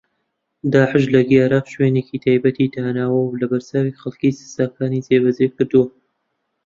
داعش لە گەیارە شوێنێکی تایبەتی داناوە و لەبەرچاوی خەڵک سزاکانی جێبەجێ کردووە